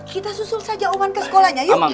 kita susul saja oman ke sekolahnya yuk